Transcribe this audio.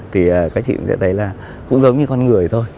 thì các chị cũng sẽ thấy là cũng giống như con người thôi